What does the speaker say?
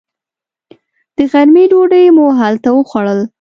د غرمې ډوډۍ مو هلته وخوړل.